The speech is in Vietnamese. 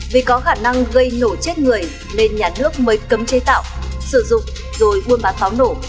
vì có khả năng gây nổ chết người nên nhà nước mới cấm chế tạo sử dụng rồi buôn bán pháo nổ